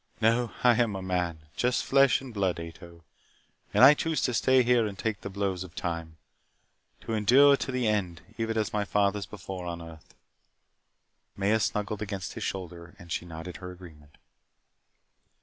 "No. I am a man. Just flesh and blood, Ato. And I choose to stay here and take the blows of time. To endure to the end even as my fathers before on earth " Maya snuggled against his shoulder as she nodded her agreement.